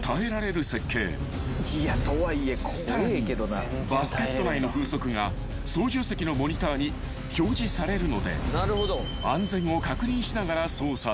［さらにバスケット内の風速が操縦席のモニターに表示されるので安全を確認しながら操作できる］